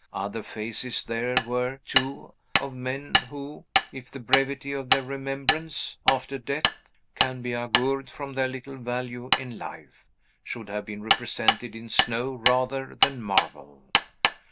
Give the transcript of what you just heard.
Other faces there were, too, of men who (if the brevity of their remembrance, after death, can be augured from their little value in life) should have been represented in snow rather than marble.